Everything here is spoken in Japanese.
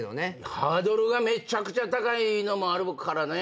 ハードルがめちゃくちゃ高いのもあるからね。